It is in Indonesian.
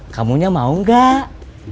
kamunya mau nggak